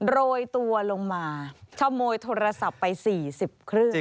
โรยตัวลงมาช้าโมยโทรศัพท์ไปสี่สิบครึ่ง